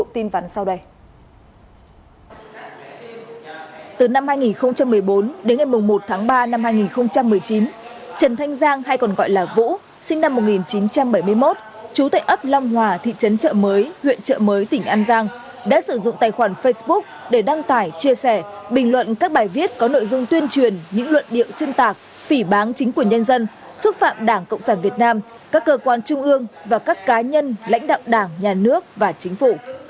trần thanh giang hay còn gọi là vũ sinh năm một nghìn chín trăm bảy mươi một chú tệ ấp long hòa thị trấn chợ mới huyện chợ mới tỉnh an giang đã sử dụng tài khoản facebook để đăng tải chia sẻ bình luận các bài viết có nội dung tuyên truyền những luận điệu xuyên tạc phỉ bán chính của nhân dân xúc phạm đảng cộng sản việt nam các cơ quan trung ương và các cá nhân lãnh đạo đảng nhà nước và chính phủ